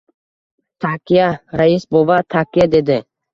— Takya, rais bova, takya! — dedi.